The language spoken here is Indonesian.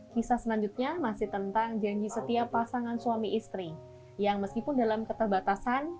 kisah selanjutnya masih tentang janji setiap pasangan suami istri yang meskipun dalam keterbatasan